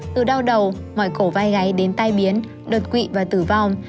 từ đau đầu mỏi cổ vai gáy đến tai biến đột quỵ và tử vong